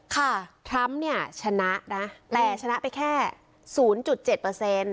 ค่ะทรัมป์เนี่ยชนะนะแต่ชนะไปแค่ศูนย์จุดเจ็ดเปอร์เซ็นต์